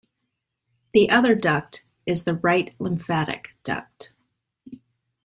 The other duct is the right lymphatic duct.